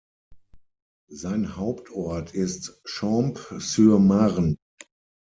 Sein Hauptort ist Champs-sur-Marne.